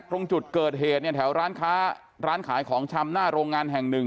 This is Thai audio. ตรงจุดเกิดเหตุแถวร้านขายของชำหน้าโรงงานแห่งหนึ่ง